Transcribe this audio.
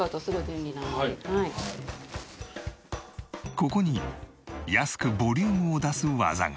ここに安くボリュームを出す技が。